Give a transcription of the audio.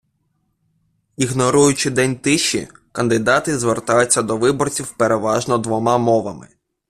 Ігноруючи день тиші, кандидати звертаються до виборців переважно двома мовами.